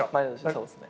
そうっすね。